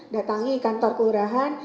datangi kantor keurahan